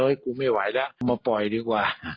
เฮ้ยกูไม่ไหวละมาปล่อยดีกว่า